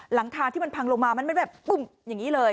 หลังคาที่มันพังลงมามันแบบปึ้มอย่างนี้เลย